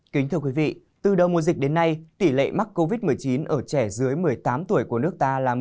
kính thưa quý vị từ đầu mùa dịch đến nay tỷ lệ mắc covid một mươi chín ở trẻ dưới một mươi tám tuổi của nước